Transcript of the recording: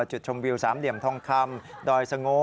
จุดชมวิวสามเหลี่ยมทองคำดอยสโง่